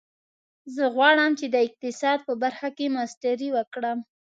زه غواړم چې د اقتصاد په برخه کې ماسټري وکړم